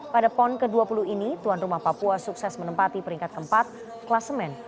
pada pon ke dua puluh ini tuan rumah papua sukses menempati peringkat keempat kelas men